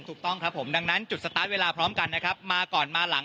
ถูกต้องครับผมดังนั้นจุดสตาร์ทเวลาพร้อมกันนะครับมาก่อนมาหลัง